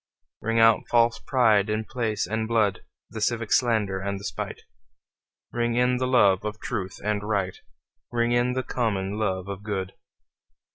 Ring out false pride in place and blood, The civic slander and the spite; Ring in the love of truth and right, Ring in the common love of good.